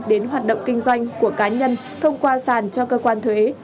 đến hoạt động kinh doanh của cá nhân thông qua sàn cho cơ quan thuế